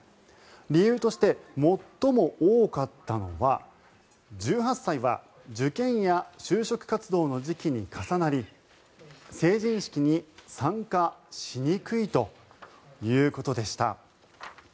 理由として最も多かったのは１８歳は受験や就職活動の時期に重なり成人式に参加しにくいということでした。